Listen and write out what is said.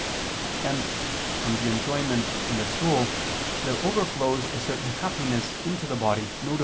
Hence from the enjoyment in the soul there overflows a certain happiness into the body, viz.